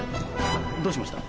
どうしました？